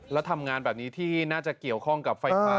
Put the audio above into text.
แล้วทำงานแบบนี้ที่น่าจะเกี่ยวข้องกับไฟฟ้า